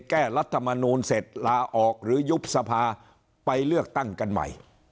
รัฐมนูลเสร็จลาออกหรือยุบสภาไปเลือกตั้งกันใหม่